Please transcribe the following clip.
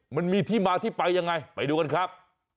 มันมีที่มาที่ไปยังไงไปดูกันครับ